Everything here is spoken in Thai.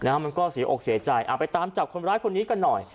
มันก็เสียอกเสียใจเอาไปตามจับคนร้ายคนนี้กันหน่อย